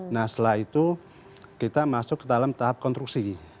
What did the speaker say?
nah setelah itu kita masuk ke dalam tahap konstruksi